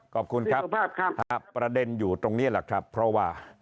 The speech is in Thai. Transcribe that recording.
ขอบคุณครับประเด็นอยู่ตรงนี้แหละครับเพราะว่า